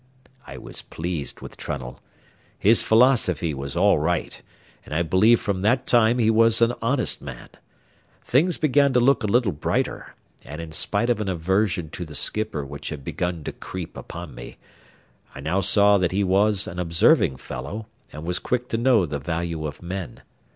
I was pleased with Trunnell. His philosophy was all right, and I believed from that time he was an honest man. Things began to look a little brighter, and in spite of an aversion to the skipper which had begun to creep upon me, I now saw that he was an observing fellow, and was quick to know the value of men.